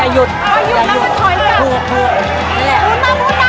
อย่ายุด